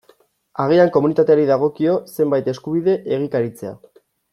Agian komunitateari dagokio zenbait eskubide egikaritzea.